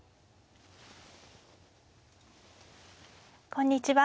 こんにちは。